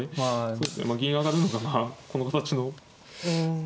そうですね銀上がるのがまあこの形の。